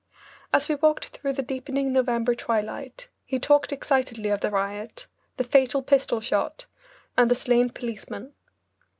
As we walked through the deepening November twilight he talked excitedly of the riot, the fatal pistol shot, and the slain policeman.